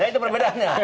nah itu perbedaannya